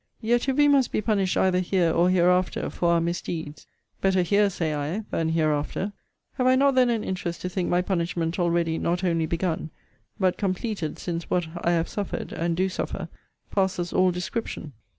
Yet if we must be punished either here or hereafter for our misdeeds, better here, say I, than hereafter. Have I not then an interest to think my punishment already not only begun but completed since what I have suffered, and do suffer, passes all description?